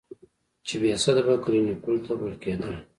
چې بېسده به کلينيکو ته وړل کېدل.